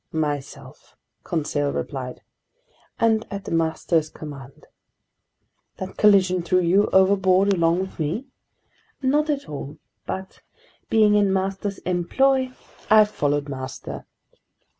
"Myself," Conseil replied, "and at master's command." "That collision threw you overboard along with me?" "Not at all. But being in master's employ, I followed master."